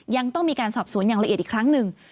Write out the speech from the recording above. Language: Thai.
ยังต้องมีการสอบสวนอย่างละเอียดอีกครั้งหนึ่ง